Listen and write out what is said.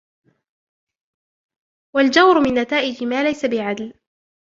وَالْجَوْرَ مِنْ نَتَائِجِ مَا لَيْسَ بِعَدْلٍ